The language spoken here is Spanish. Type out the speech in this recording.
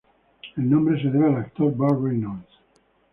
El nombre se debe al actor Burt Reynolds.